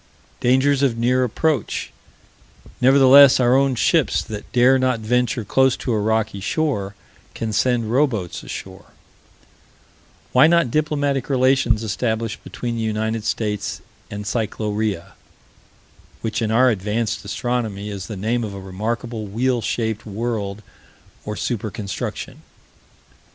Dangers of near approach nevertheless our own ships that dare not venture close to a rocky shore can send rowboats ashore Why not diplomatic relations established between the United States and Cyclorea which, in our advanced astronomy, is the name of a remarkable wheel shaped world or super construction?